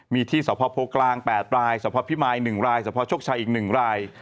มีที่สอบภอมโพลกลาง๘รายสอบภอมพิมาย๑รายสอบภอมชกชายอีก๑ราย